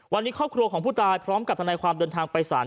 วันนี้ครอบครัวของผู้ตายพร้อมกับทนายความเดินทางไปสาร